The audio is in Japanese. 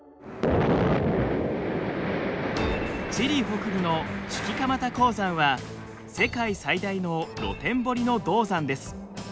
チリ北部のチュキカマタ鉱山は世界最大の露天掘りの銅山です。